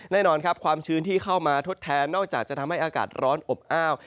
แน่นอนครับความชื้นที่เข้ามาทดแทนนอกจากจะทำให้อากาศร้อนอบอ้าว